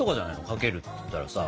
かけるっていったらさ。